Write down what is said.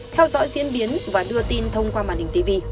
theo dõi diễn biến và đưa tin thông qua màn hình tv